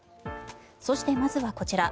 そして、まずはこちら。